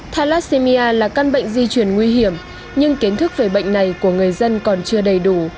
thalassemia là căn bệnh di chuyển nguy hiểm nhưng kiến thức về bệnh này của người dân còn chưa đầy đủ